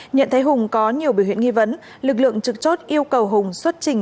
nhận thấy hùng có nhiều biểu hiện nghi vấn lực lượng trực chốt yêu cầu hùng xuất trình